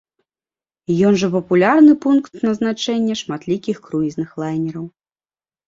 Ён жа папулярны пункт назначэння шматлікіх круізных лайнераў.